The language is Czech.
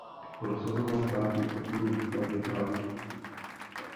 Prosazoval státní podporu výstavby dálniční sítě.